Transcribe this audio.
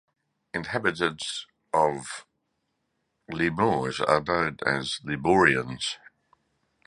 Inhabitants of Limours are known as "Limouriens".